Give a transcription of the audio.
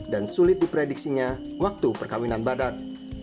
dan sulit diprediksinya waktu perkawinan badak